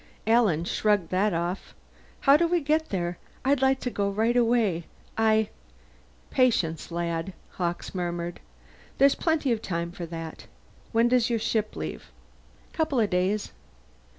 Alan shrugged that off. "How do we get there? I'd like to go right away. I " "Patience, lad," Hawkes murmured. "There's plenty of time for that. When does your ship leave?" "Couple of days."